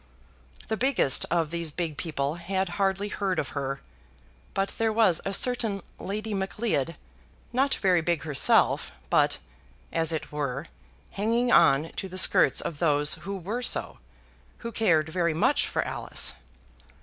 The biggest of these big people had hardly heard of her; but there was a certain Lady Macleod, not very big herself, but, as it were, hanging on to the skirts of those who were so, who cared very much for Alice.